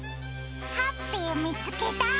ハッピーみつけた！